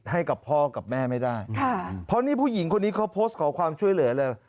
ให้กับพ่อกับแม่ไม่ได้ค่ะเพราะนี่ผู้หญิงคนนี้เขาโพสต์ขอความช่วยเหลือเลย